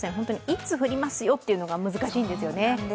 いつ降りますよというのが難しいんですよね。